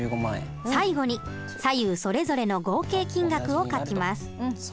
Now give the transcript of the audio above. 最後に左右それぞれの合計金額を書きます。